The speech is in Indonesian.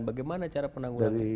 bagaimana cara penanggungan